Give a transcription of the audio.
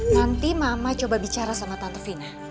nanti mama coba bicara sama tante fina